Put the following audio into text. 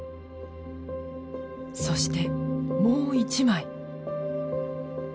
そしてもう一枚。